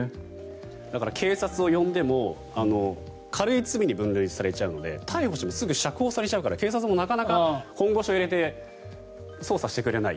警察を呼んでも軽い罪に分類されちゃうので逮捕してもすぐ釈放されちゃうから警察もなかなか本腰を入れて捜査してくれない。